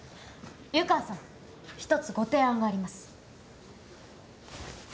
湯川さん１つご提案があります。